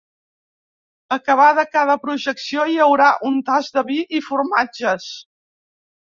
Acabada cada projecció hi haurà un tast de vi i formatges.